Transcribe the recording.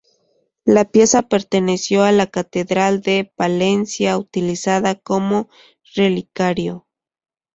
La pieza perteneció a la Catedral de Palencia utilizada como relicario.